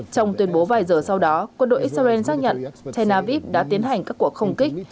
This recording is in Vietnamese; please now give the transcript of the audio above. trong tuyên bố vài giờ sau đó quân đội israel xác nhận tel aviv đã tiến hành các cuộc không kích